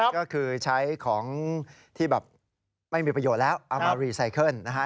ก็คือใช้ของที่แบบไม่มีประโยชน์แล้วเอามารีไซเคิลนะฮะ